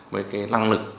với cái năng lực